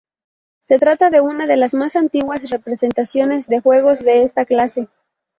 Se trata de una de las más antiguas representaciones de juegos de esta clase.